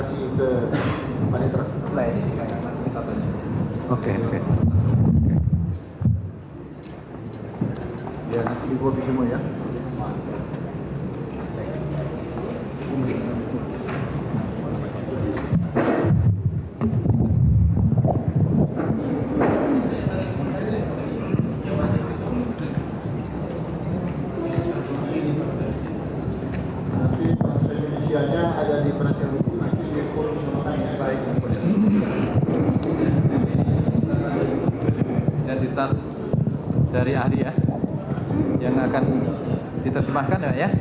sampai jumpa di sampai jumpa